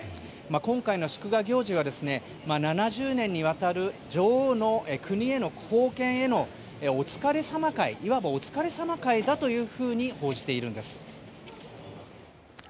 今回の祝賀行事が７０年にわたる女王の国への貢献へのいわばお疲れさま会だというふうに報じているんです。